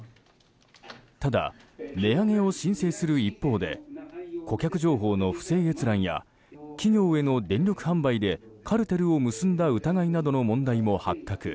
ただ、値上げを申請する一方で顧客情報の不正閲覧や企業への電力販売でカルテルを結んだ疑いなどの問題も発覚。